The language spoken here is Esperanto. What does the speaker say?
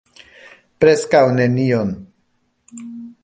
Preskaŭ nenion.